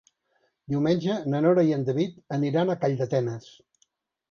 Diumenge na Nora i en David aniran a Calldetenes.